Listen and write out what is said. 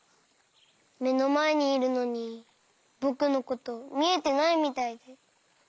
めのまえにいるのにぼくのことみえてないみたいで。